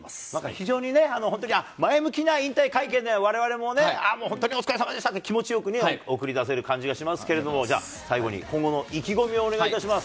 非常にね、本当に前向きな引退会見で、われわれもね、ああ、もう本当にお疲れさまでしたって気持ちよく送り出せる感じがしますけれども、では最後に、今後の意気込みをお願いいたします。